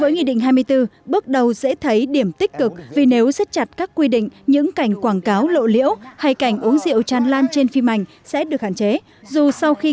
nghị định hai mươi bốn là cơ sở pháp lý quan trọng giúp nhà sản xuất và nghệ sĩ nâng cao ý thức trong việc đưa hình ảnh rượu bia một cách phù hợp vào tác phẩm